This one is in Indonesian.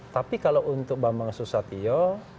tapi kalau untuk bambang susatyo